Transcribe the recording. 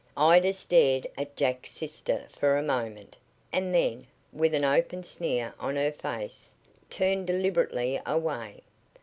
Ida stared at Jack's sister for a moment, and then, with an open sneer on her face, turned deliberately away.